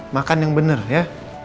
makan yang bener ya